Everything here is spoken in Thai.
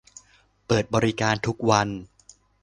เปิดบริการทุกวัน